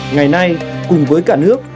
ngày nay cùng với cả nước